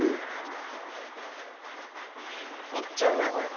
めっちゃうまいこれ。